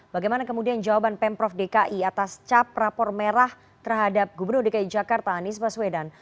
bagaimana kemudian jawaban pemprov dki atas cap rapor merah terhadap gubernur dki jakarta anies baswedan